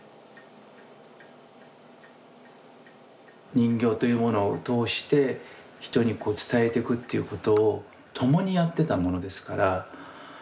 人形というものを通して人にこう伝えてくっていうことを共にやってたものですから。